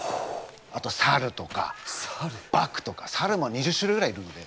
あとサルとかバクとかサルも２０種類ぐらいいるので。